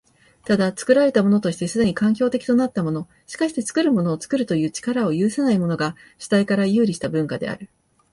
ただ、作られたものとして既に環境的となったもの、しかして作るものを作るという力を有せないものが、主体から遊離した文化である。